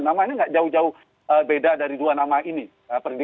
namanya tidak jauh jauh beda dari dua nama ini